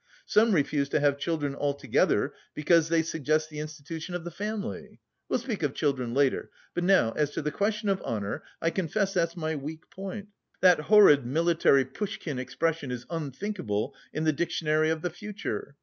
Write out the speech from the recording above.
Some refuse to have children altogether, because they suggest the institution of the family. We'll speak of children later, but now as to the question of honour, I confess that's my weak point. That horrid, military, Pushkin expression is unthinkable in the dictionary of the future.